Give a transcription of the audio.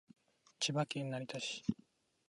千葉県成田市